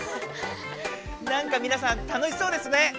なんかみなさん楽しそうですね。